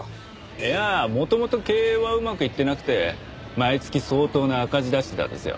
いや元々経営はうまくいってなくて毎月相当な赤字出してたんですよ。